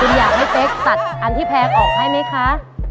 คุณอยากให้เป๊กตัดอันที่แพงออกให้ไหมคะ